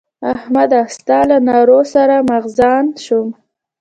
احمده! ستا له نارو سر مغزن شوم.